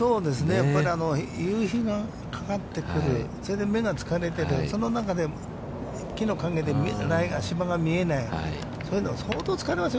やっぱり夕日がかかってくる、それで目が疲れてる、その中で、木の影でライが、芝が見えない、相当疲れますよ。